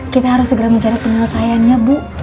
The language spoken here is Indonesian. kita harus segera mencari penyelesaiannya bu